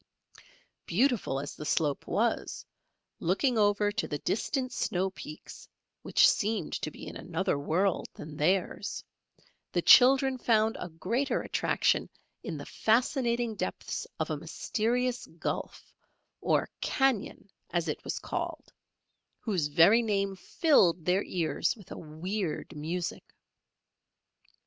Beautiful as the slope was, looking over to the distant snow peaks which seemed to be in another world than theirs, the children found a greater attraction in the fascinating depths of a mysterious gulf, or "cañon," as it was called, whose very name filled their ears with a weird music.